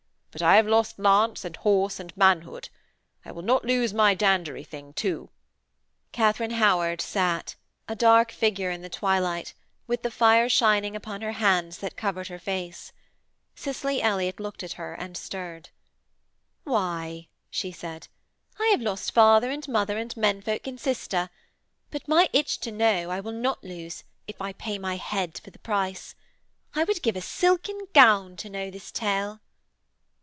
But I have lost lance and horse and manhood. I will not lose my dandery thing too.' Katharine Howard sat, a dark figure in the twilight, with the fire shining upon her hands that covered her face. Cicely Elliott looked at her and stirred. 'Why,' she said, 'I have lost father and mother and men folk and sister. But my itch to know I will not lose, if I pay my head for the price. I would give a silken gown to know this tale.'